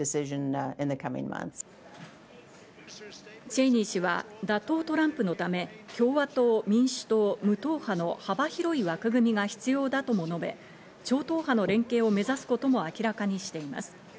チェイニー氏は打倒トランプのため共和党・民主党・無党派の幅広い枠組みが必要だとも述べ、超党派の連携を目指すことも明らかにしています。